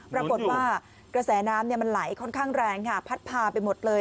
ปรากฏว่ากระแสน้ำมันไหลค่อนข้างแรงค่ะพัดพาไปหมดเลย